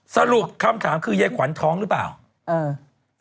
สรุปคำถามคือยายขวัญท้องหรือเปล่าเออ